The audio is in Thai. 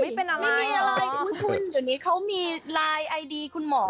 ไม่เป็นอะไรไม่มีอะไรเดี๋ยวนี้เขามีไลน์ไอดีคุณหมอ